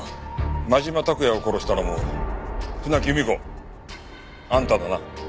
真島拓也を殺したのも舟木由美子あんただな？